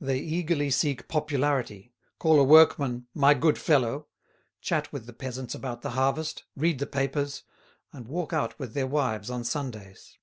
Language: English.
They eagerly seek popularity, call a workman "my good fellow," chat with the peasants about the harvest, read the papers, and walk out with their wives on Sundays.